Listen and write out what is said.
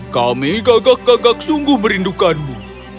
kami gagak gagak sungguh merindukanmu